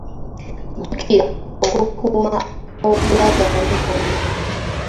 Jjukira okukuuma obulagaane bwonna.